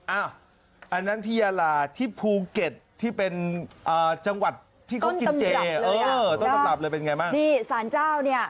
อันนี้ที่ยาล่าที่ภูเก็ตจังหวัดแบบต้นกระบะเลย